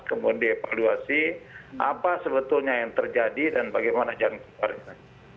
kemudian dievaluasi apa sebetulnya yang terjadi dan bagaimana jangkauannya